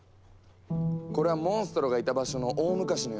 これはモンストロがいた場所の大昔の様子。